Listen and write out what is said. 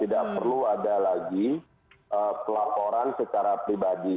tidak perlu ada lagi pelaporan secara pribadi